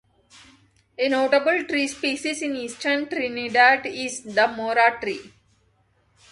A notable tree species in eastern Trinidad is the "Mora" tree.